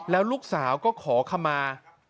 แล้วลูกสาวก็ขอขมา